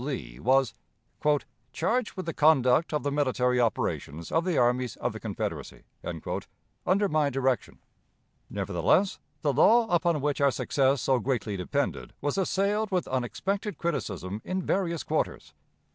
Lee was "charged with the conduct of the military operations of the armies of the Confederacy" under my direction. Nevertheless, the law upon which our success so greatly depended was assailed with unexpected criticism in various quarters.